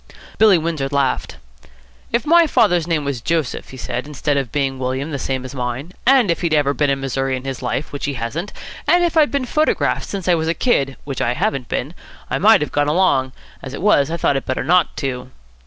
Billy Windsor laughed. "If my father's name was Joseph," he said, "instead of being William, the same as mine, and if he'd ever been in Missouri in his life, which he hasn't, and if I'd been photographed since I was a kid, which I haven't been, I might have gone along. As it was, I thought it better not to."